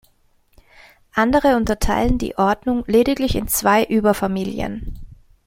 Andere unterteilen die Ordnung lediglich in zwei Überfamilien.